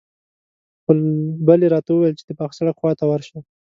خو بلې راته وويل چې د پاخه سړک خواته ورشه.